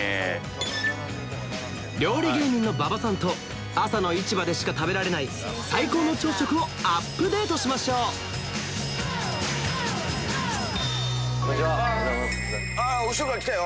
料理芸人の馬場さんと朝の市場でしか食べられない最高の朝食をアップデートしましょう後ろから来たよ。